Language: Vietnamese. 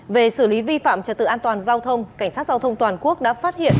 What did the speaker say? về xử lý vi phạm trật tự an toàn giao thông cảnh sát giao thông toàn quốc đã phát hiện